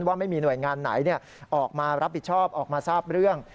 ว่าไม่มีหน่วยงานไหนออกมารับผิดชอบออกมาทราบเรื่อง